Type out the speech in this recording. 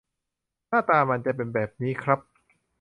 หน้าตามันจะเป็นแบบนี้ครับ